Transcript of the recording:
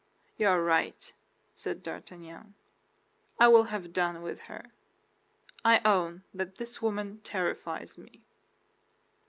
"You are right," said D'Artagnan; "I will have done with her. I own that this woman terrifies me."